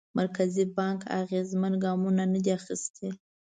مرکزي بانک اغېزمن ګامونه ندي اخیستي.